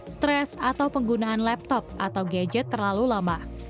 stres atau penggunaan laptop atau gadget terlalu lama